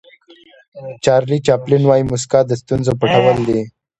چارلي چاپلین وایي موسکا د ستونزو پټول دي.